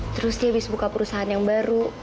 terus dia habis buka perusahaan yang baru